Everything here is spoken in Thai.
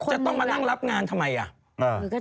จะต้องมานั่งรับงานทำไมอ่ะ